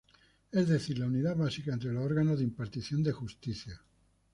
Es decir, la unidad básica entre los órganos de impartición de justicia.